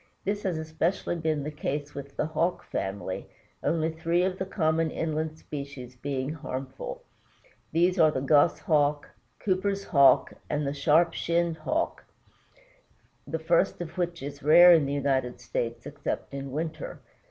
This has especially been the case with the Hawk family, only three of the common inland species being harmful. These are the Goshawk, Cooper's Hawk, and the Sharp shinned Hawk, the first of which is rare in the United States, except in winter.